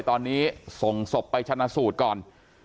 ตอนนี้ส่งศพไปชนะสูตรก่อน